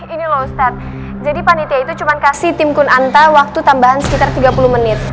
ini loh ustadz jadi panitia itu cuma kasih tim kun anta waktu tambahan sekitar tiga puluh menit